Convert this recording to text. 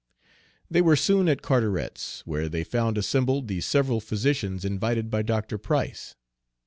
They were soon at Carteret's, where they found assembled the several physicians invited by Dr. Price.